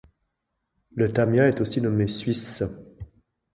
Le tamia est aussi nommé suisse